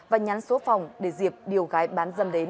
và nhắn số phòng để dịp điều gái bán dâm đến